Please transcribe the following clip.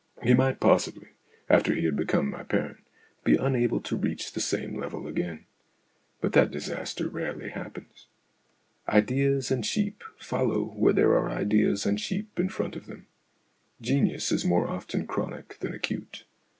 He might possibly, after he had become my parent, be unable to reach the same level again. But that disaster rarely happens. Ideas and sheep follow where there are ideas and sheep in front of them ; genius is more often chronic than acute.